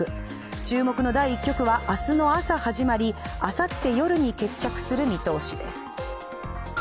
注目の第１局は明日の朝始まりあさって夜に決着する見通しです。